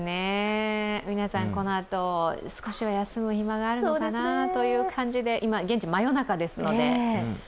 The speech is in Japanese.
皆さんこのあと少しは休む暇があるのかな、現地、真夜中ですので。